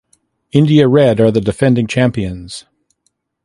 India Red are the defending champions.